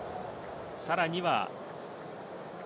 さらには。